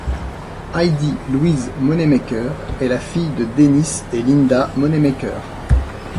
Heidi Louise Moneymaker, est la fille de Dennis et Linda Moneymaker.